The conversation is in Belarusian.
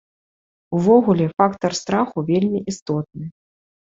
Увогуле фактар страху вельмі істотны.